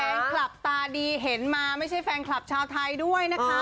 แฟนคลับตาดีเห็นมาไม่ใช่แฟนคลับชาวไทยด้วยนะคะ